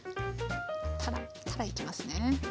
たらたらいきますね。